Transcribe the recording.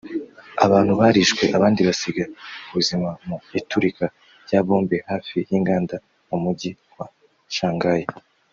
Abantu barishwe abandi basiga ubuzima mu iturika rya bombe hafi y’inganda mu mugi wa Shanghai